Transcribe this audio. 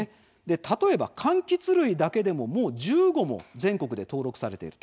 例えば、かんきつ類だけでももう１５も登録されています。